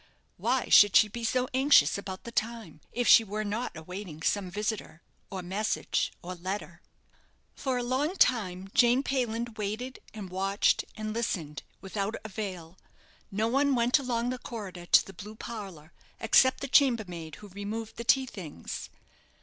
Why should she be so anxious about the time, if she were not awaiting some visitor, or message, or letter? For a long time Jane Payland waited, and watched, and listened, without avail. No one went along the corridor to the blue parlour, except the chambermaid who removed the tea things.